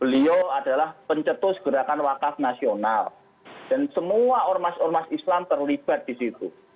beliau adalah pencetus gerakan wakaf nasional dan semua ormas ormas islam terlibat di situ